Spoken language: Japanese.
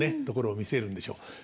ところを見せるんでしょう。